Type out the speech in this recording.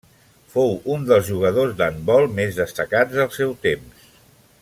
Fou un dels jugadors d'handbol més destacats del seu temps.